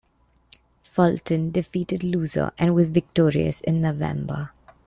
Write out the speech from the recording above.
Fulton defeated Loser and was victorious in November.